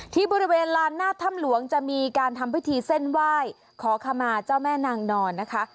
ที่บริเวณลานหน้าถ้ำหลวงจะมีการทำพิธีเส้นไหว้ขอขมาเจ้าแม่นางนอนนะคะ